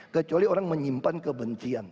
kecuali orang menyimpan kebencian